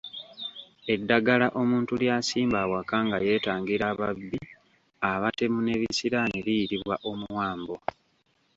Eddagala omuntu ly’asimba awaka nga yeetangira ababbi, abatemu n’ebisiraani liyitibwa Omuwambo.